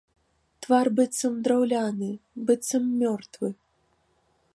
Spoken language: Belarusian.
Твар быццам драўляны, быццам мёртвы.